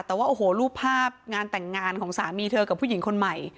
แต่ว่าโอ้โหรูปภาพงานแต่งงานของสามีเธอกับผู้หญิงคนใหม่